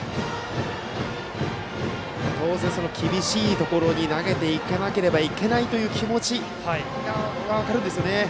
当然、厳しいところに投げていかなければいけないという気持ちは分かるんですよね。